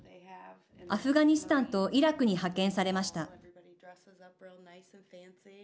アフガニスタンとイラクに派遣されました。